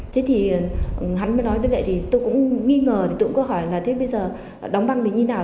thế thì hắn mới nói thế này thì tôi cũng nghi ngờ tôi cũng có hỏi là thế bây giờ đóng băng thì như thế nào